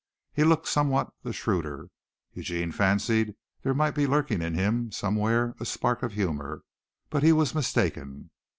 He looked somewhat the shrewder Eugene fancied there might be lurking in him somewhere a spark of humor, but he was mistaken.